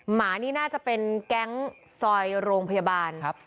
หมานี่น่าจะเป็นแก๊งซอยโรงพยาบาลครับ